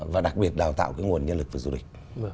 và đặc biệt đào tạo cái nguồn nhân lực về du lịch